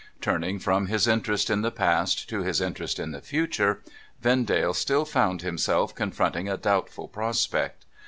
Turning from his interest in the past to his interest in the future, Vendale still found himself confronting a doubtful prospect.